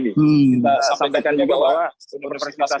kita sampaikan juga bahwa